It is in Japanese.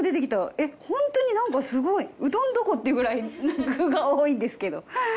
えっホントになんかすごいうどんどこ？っていうくらい具が多いんですけど。